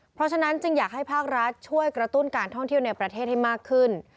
เพราะฉะนั้นจึงอยากให้ภาครัฐช่วยกระตุ้นการท่องเที่ยวในประเทศให้มากขึ้น